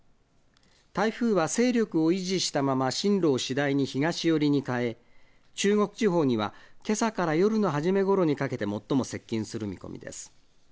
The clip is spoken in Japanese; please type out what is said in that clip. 台風は、勢力を維持したまま進路を次第に東寄りに変え、中国地方にはけさから夜の初めごろにかけて最も接近する見込みです。